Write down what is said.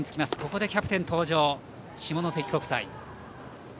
ここでキャプテン登場、下関国際。